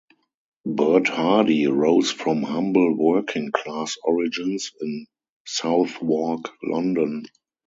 Bert Hardy rose from humble working class origins in Southwark, London.